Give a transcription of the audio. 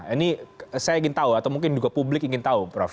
ini saya ingin tahu atau mungkin juga publik ingin tahu prof